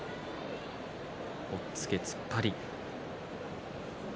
押っつけ、突っ張り。